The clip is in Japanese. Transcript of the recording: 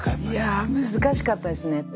いやあ難しかったですね。